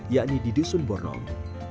yakni di dusun bornong